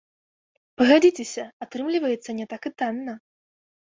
Пагадзіцеся, атрымліваецца не так і танна.